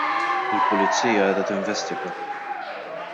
Il-pulizija qiegħda tinvestiga.